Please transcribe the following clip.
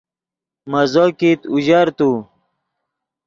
مزو کیت اوژر تو